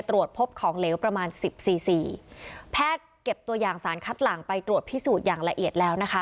ตรวจพบของเหลวประมาณสิบสี่แพทย์เก็บตัวอย่างสารคัดหลังไปตรวจพิสูจน์อย่างละเอียดแล้วนะคะ